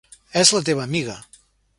És la teva amiga!